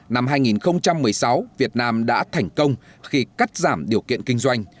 năm hai nghìn một mươi sáu việt nam đã thành công khi cắt giảm điều kiện kinh doanh